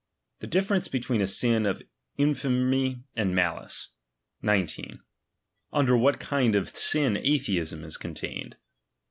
The difference between a sin of infir ' mity and malice. 19. Under what kind of sin atheism is con. tained.